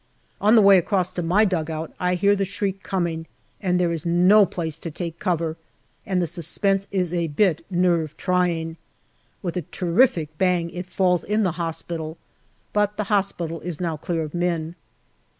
On the way across to my dugout I hear the shriek coming, and there is no place to take cover, and the suspense is a bit nerve trying. With a terrific bang it falls in the hospital, but the hospital is now clear of men.